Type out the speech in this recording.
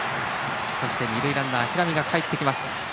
二塁ランナー、平見がかえってきました。